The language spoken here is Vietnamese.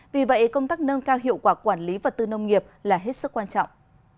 vì vậy công tác nâng cao hiệu quả quản lý vật tư nông nghiệp là hết sức quan trọng